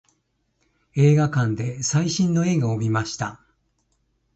映画館で最新の映画を見ました。